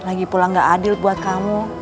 lagi pulang gak adil buat kamu